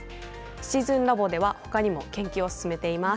シチズンラボでは、ほかにも研究を進めています。